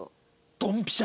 ドンピシャ？